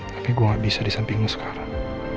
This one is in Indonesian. tapi gue gak bisa di sampingmu sekarang